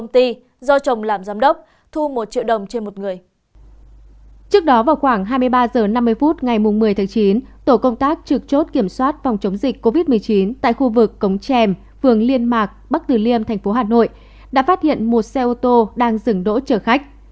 trong ba mươi phút ngày một mươi chín tổ công tác trực chốt kiểm soát vòng chống dịch covid một mươi chín tại khu vực cống trèm phường liên mạc bắc từ liêm tp hà nội đã phát hiện một xe ô tô đang dừng đỗ chở khách